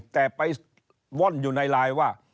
แต่ไปว่อนอยู่ในไลน์ว่า